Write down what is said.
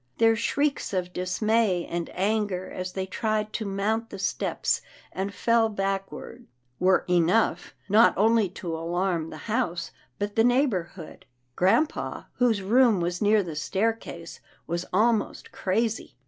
Their shrieks of dismay and anger, as they tried to mount the steps and fell backward, were enough, not only to alarm the house, but the neighbourhood. Grampa, whose room was near the staircase, was almost crazy.